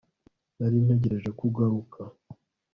nari ntegereje ko ugaruka